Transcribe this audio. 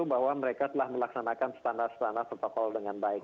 bahwa mereka telah melaksanakan standar standar protokol dengan baik